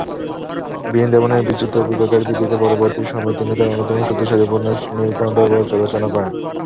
বৃন্দাবনের বিচিত্র অভিজ্ঞতার ভিত্তিতে পরবর্তী সময়ে তিনি তার অন্যতম শক্তিশালী উপন্যাস নীলকণ্ঠ ব্রজ রচনা করেন।